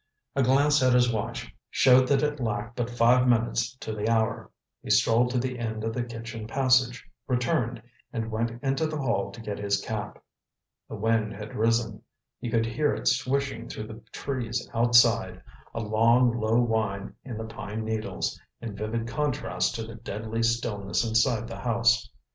A glance at his watch showed that it lacked but five minutes to the hour. He strolled to the end of the kitchen passage, returned, and went into the hall to get his cap. The wind had risen. He could hear it swishing through the trees outside, a long, low whine in the pine needles, in vivid contrast to the deadly stillness inside the house.